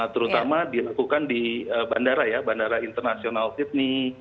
terutama dilakukan di bandara ya bandara internasional sydney